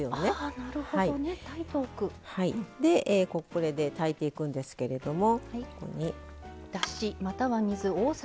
これで炊いていくんですけれども。